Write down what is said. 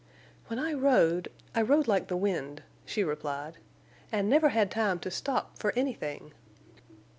"When I rode—I rode like the wind," she replied, "and never had time to stop for anything."